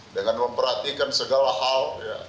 dengan memperhatikan segala hal